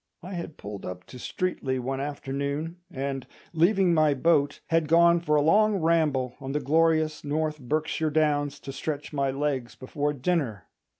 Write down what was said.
I had pulled up to Streatley one afternoon, and, leaving my boat, had gone for a long ramble on the glorious North Berkshire Downs to stretch my legs before dinner.